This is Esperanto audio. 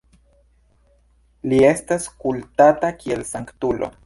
Li estas kultata kiel sanktulo.